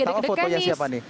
pertama foto siapa nih